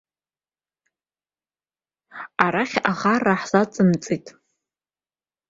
Арахь аӷарра ҳзаҵымҵит.